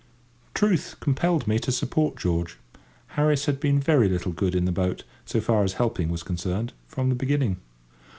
Truth compelled me to support George. Harris had been very little good in the boat, so far as helping was concerned, from the beginning.